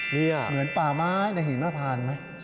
นี่เหมือนป่าไม้ในหินมพานไหม